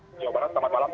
jawa barat selamat malam